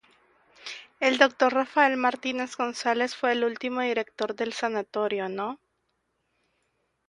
El Dr. Rafael Martínez González fue el último director del Sanatorio No.